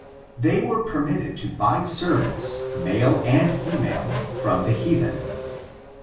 They were permitted to buy servants, male and female, from the heathen.